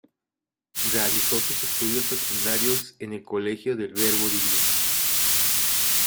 Realizó sus estudios secundarios en el Colegio del Verbo Divino.